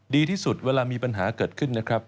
ดีที่สุดเวลามีปัญหาเกิดขึ้นนะครับ